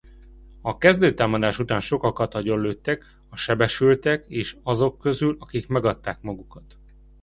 A kezdő támadás után sokakat agyonlőttek a sebesültek és azok közül akik megadták magukat.